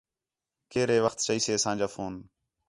کیئر ہے وخت چئیسے اساں جا فون